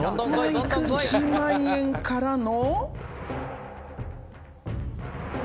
１万円からの？」